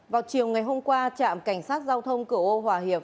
vào chiều ngày hôm qua trạm cảnh sát giao thông cửa ô hòa hiệp